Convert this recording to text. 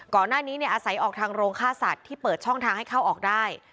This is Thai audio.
ก่อนหน้านี้อาศัยออกทางโรงฆ่าสัตว์ที่เปิดช่องทางให้เข้าออกได้